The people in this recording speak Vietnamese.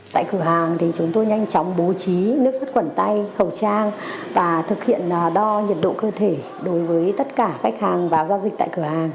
tại cửa hàng chúng tôi nhanh chóng bố trí nước sắt quẩn tay khẩu trang và thực hiện đo nhiệt độ cơ thể đối với tất cả khách hàng vào giao dịch tại cửa hàng